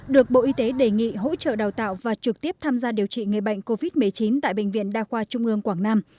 được bộ y tế đề nghị hỗ trợ đào tạo và trực tiếp tham gia điều trị người bệnh covid một mươi chín tại bệnh viện đa khoa trung ương quảng nam